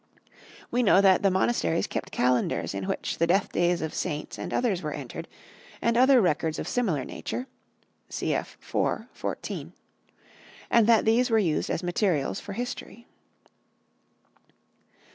We know that the monasteries kept calendars in which the death days of saints and others were entered, and other records of similar nature (cf. iv, 14), and that these were used as materials for history.